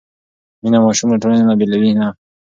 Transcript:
مینه ماشوم له ټولنې نه بېلوي نه.